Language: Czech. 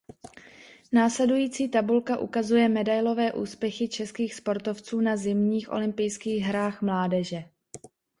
Následující tabulka ukazuje medailové úspěchy českých sportovců na zimních olympijských hrách mládeže.